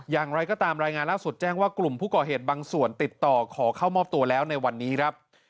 อย่างไรก็ตามรายงานล่าสุดแจ้งว่ากลุ่มผู้ก่อเหตุบางส่วนติดต่อขอเข้ามอบตัวแล้วในวันนี้ครับ